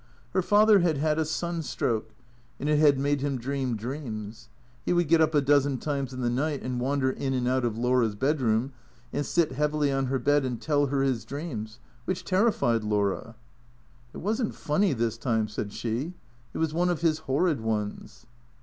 Her father had had a sun stroke, and it had made him dream dreams. He would get up a dozen times in the night and wander in and out of Laura's bedroom, and sit heavily on her bed and tell her his dreams, which terrified Laura. " It was n't funny, this time," said she. " It was one of his horrid ones."